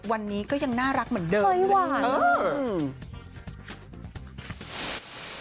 วันนี้ก็ยังน่ารักเหมือนเดิมเลย